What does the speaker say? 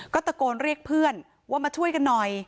ก็ตะโกนเรียกเพื่อนว่ามาช่วยกันหน่อย